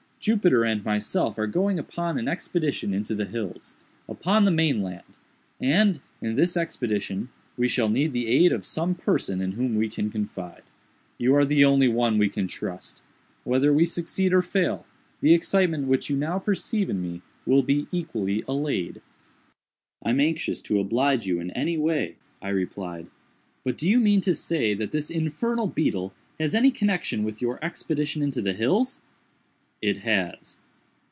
Jupiter and myself are going upon an expedition into the hills, upon the main land, and, in this expedition we shall need the aid of some person in whom we can confide. You are the only one we can trust. Whether we succeed or fail, the excitement which you now perceive in me will be equally allayed." "I am anxious to oblige you in any way," I replied; "but do you mean to say that this infernal beetle has any connection with your expedition into the hills?" "It has."